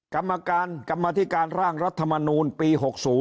กรรมการกรรมธิการร่างรัฐมนูลปี๖๐